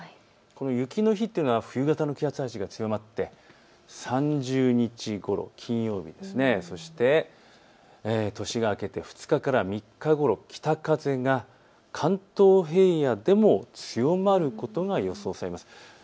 雪の日というのは冬型の気圧配置が強まって３０日ごろ、金曜日、そして年が明けて２日から３日ごろ、北風が関東平野でも強まることが予想されます。